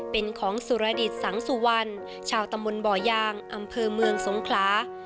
เป็นของสุรดิตสังสุวรรณชาวตำบลบ่อยางอำเภอเมืองสงขลา